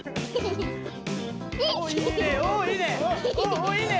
おっいいね。